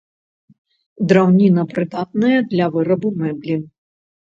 Драўніна прыдатная для вырабу мэблі.